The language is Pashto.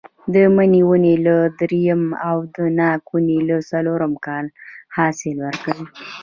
د مڼې ونې له درېیم او د ناک ونې له څلورم کال حاصل ورکوي.